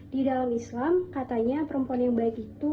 di dalam islam katanya perempuan yang baik itu